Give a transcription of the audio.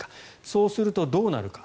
そうすると、どうなるか。